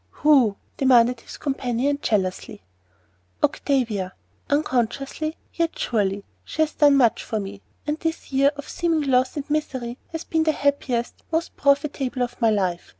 "Who?" demanded his companion jealously. "Octavia. Unconsciously, yet surely, she has done much for me, and this year of seeming loss and misery has been the happiest, most profitable of my life.